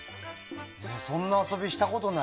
そんな遊びしたことない。